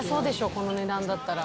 この値段だったら。